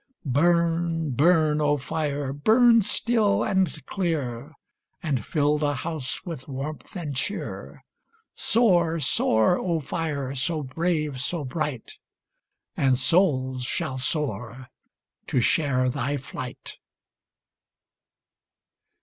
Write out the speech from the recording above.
Burn, burn, O fire, burn still and clear, And fill the house with warmth and cheer ! Soar, soar, O fire, so brave, so bright. And souls shall soar to share thy flight